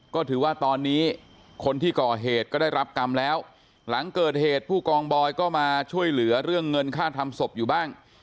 ก็ถือว่าตอนนี้คนที่ก่อเหตุก็ได้รับกรรมแล้วหลังเกิดเหตุผู้กองบอยก็มาช่วยเหลือเรื่องเงินค่าทำศพอยู่บ้าง